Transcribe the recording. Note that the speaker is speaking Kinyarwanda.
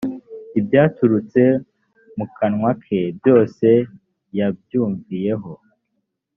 ibyaturutse mu kanwa ke byose yabyumviyeho